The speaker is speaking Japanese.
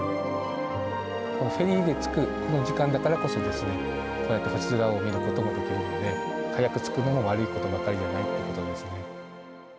フェリーで着くこの時間だからこそですね、こうやって星空を見ることもできるんで、早く着くのも悪いことばかりじゃないということですね。